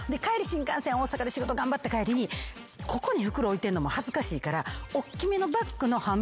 新幹線大阪で仕事頑張った帰りにここに袋置いてんのも恥ずかしいから。